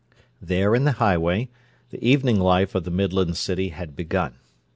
There, in the highway, the evening life of the Midland city had begun.